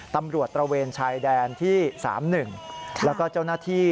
ตระเวนชายแดนที่๓๑แล้วก็เจ้าหน้าที่